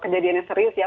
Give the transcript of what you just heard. kejadian yang serius ya